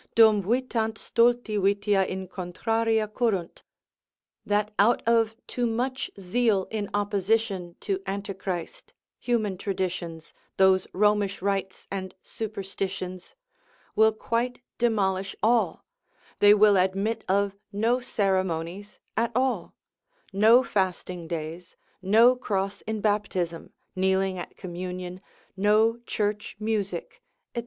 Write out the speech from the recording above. Dum vitant stulti vitia in contraria currunt; that out of too much zeal in opposition to Antichrist, human traditions, those Romish rites and superstitions, will quite demolish all, they will admit of no ceremonies at all, no fasting days, no cross in baptism, kneeling at communion, no church music, &c.